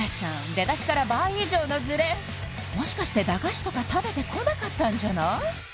出だしから倍以上のズレもしかして駄菓子とか食べてこなかったんじゃない？